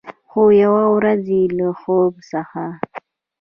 خو، یوه ورځ چې له خوب څخه